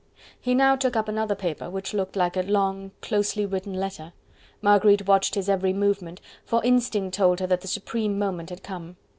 He now took up another paper which looked like a long closely written letter. Marguerite watched his every movement, for instinct told her that the supreme moment had come.